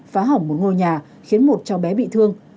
phá hỏng một ngôi nhà khiến một cháu bé bị thương